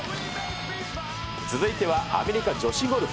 続いてはアメリカ女子ゴルフ。